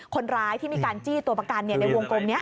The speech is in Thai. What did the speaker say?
คนร้ายที่มีการจี้ตัวประกันในวงกลมนี้